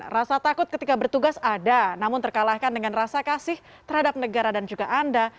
rasa takut ketika bertugas ada namun terkalahkan dengan rasa kasih terhadap negara dan juga anda